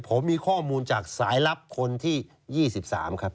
ผมมีข้อมูลจากสายลับคนที่๒๓ครับ